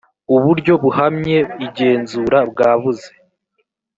uburyo buhamye igenzura bwabuze.